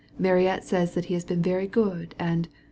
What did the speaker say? Mariette says he has been very good, And